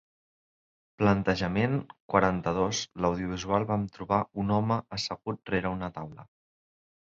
Plantejament quaranta-dos l'audiovisual vam trobar un home assegut rere una taula.